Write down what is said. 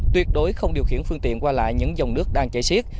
tuyệt đối không điều khiển phương tiện qua lại những dòng nước đang chạy xiết